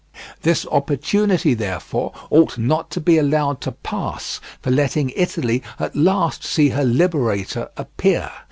This opportunity, therefore, ought not to be allowed to pass for letting Italy at last see her liberator appear.